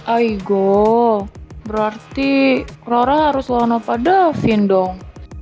aigo berarti rara harus lawan apa davin dong